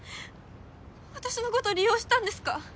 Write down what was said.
私のこと利用したんですか？